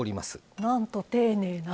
なんと丁寧な。